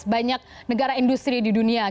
banyak negara industri di dunia